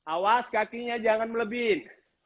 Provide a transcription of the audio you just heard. awas kakinya jangan melebih